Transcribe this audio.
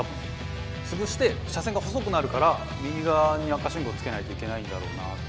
潰して車線が細くなるから右側に赤信号つけないといけないんだろうな。